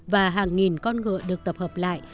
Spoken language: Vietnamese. và hàng nghìn con ngựa được tập hợp lại